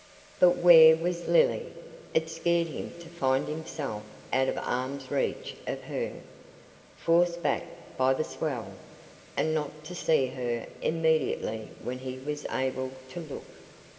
But where was Lily? It scared him to find himself out of arm's reach of her, forced back by the swell, and not to see her immediately when he was able to look.